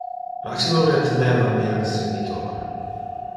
Maximo reteneva mi accenditor.